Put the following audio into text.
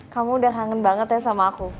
kamu udah kangen banget ya sama aku